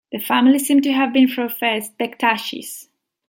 The family seem to have been professed Bektashis.